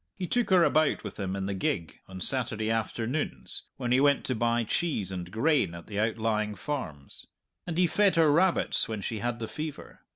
He took her about with him in the gig, on Saturday afternoons, when he went to buy cheese and grain at the outlying farms. And he fed her rabbits when she had the fever.